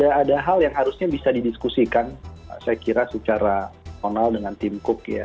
ya ada hal yang harusnya bisa didiskusikan saya kira secara moral dengan tim cook ya